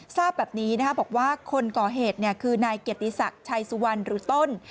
ทราบแบบนี้บอกว่าคนก่อเหตุคือนายเกียรติศักดิ์ชัยสุวรรณหรือต้น